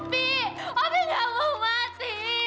mpok gak mau mati